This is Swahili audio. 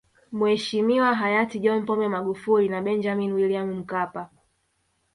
Mheshimiwa hayati John Pombe Magufuli na Benjamin William Mkapa